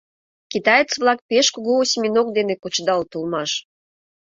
Китаец-влак пеш кугу осьминог дене кучедалыт улмаш.